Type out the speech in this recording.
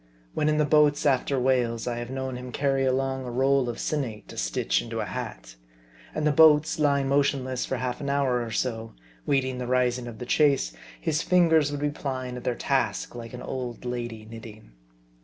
When in the boats after whales, I have known him carry along a roll of sinnate to stitch into a hat. And the boats lying motionless for half an hour or so, waiting the rising of the chase, his fingers would be plying at their task, like an old lady knitting.